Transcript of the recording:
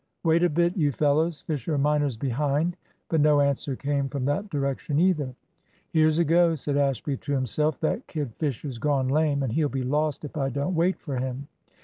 "Wait a bit, you fellows. Fisher minor's behind." But no answer came from that direction either. "Here's a go," said Ashby to himself. "That kid Fisher's gone lame, and he'll be lost if I don't wait for him."